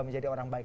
menjadi orang baik